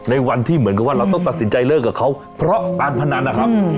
ในวันที่เหมือนกับว่าเราต้องตัดสินใจเลิกกับเขาเพราะการพนันนะครับ